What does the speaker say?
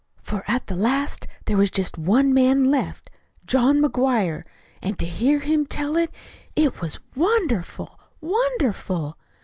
for at the last there was just one man left John McGuire. And to hear him tell it it was wonderful, wonderful!"